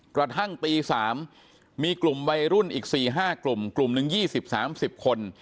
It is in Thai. กระทั่งตีสามมีกลุ่มวัยรุ่นอีกสี่ห้ากลุ่มกลุ่มหนึ่งยี่สิบสามสิบคน